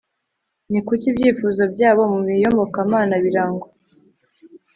ni kuki ibyifuzo byabo mu iyobokamana birangwa